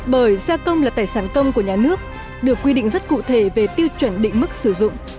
bởi xe công là tài sản công của nhà nước được quy định rất cụ thể về tiêu chuẩn định mức sử dụng